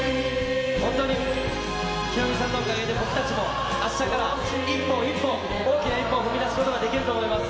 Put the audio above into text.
本当に、ヒロミさんのおかげで僕たちも明日から一歩一歩、大きな一歩を踏み出すことができると思います。